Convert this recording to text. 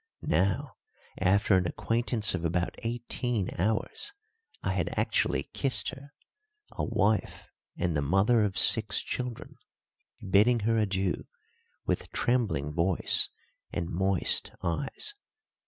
Now, after an acquaintance of about eighteen hours, I had actually kissed her a wife and the mother of six children, bidding her adieu with trembling voice and moist eyes!